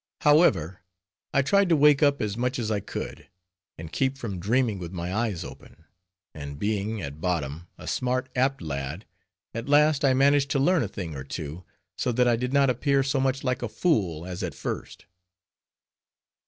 However, I tried to wake up as much as I could, and keep from dreaming with my eyes open; and being, at bottom, a smart, apt lad, at last I managed to learn a thing or two, so that I did not appear so much like a fool as at first.